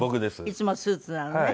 いつもスーツなのね。